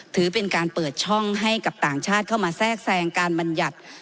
ถือเป็นการเปิดช่องให้กับต่างชาติเข้ามาแทรกแทรงการบรรยัติ